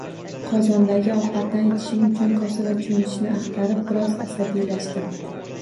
Qozondagi ovqatdan ichishim uchun kosa va cho`michni axtarayotib, biroz asabiylashdim